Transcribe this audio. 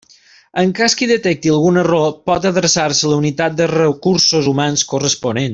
En cas que hi detecti algun error, pot adreçar-se a la unitat de recursos humans corresponent.